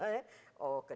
ya ini bagus